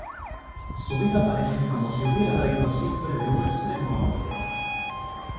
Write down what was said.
Su vida parece como si hubiera ido siempre de un extremo a otro.